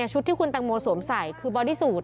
ชุดที่คุณตังโมสวมใส่คือบอดี้สูตร